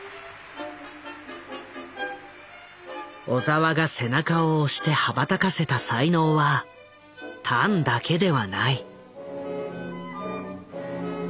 小澤が背中を押して羽ばたかせた才能はタンだけではない。